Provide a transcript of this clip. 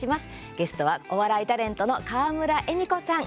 ゲストはお笑いタレントの川村エミコさん